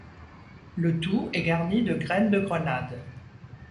Le tout est garni de graines de grenade.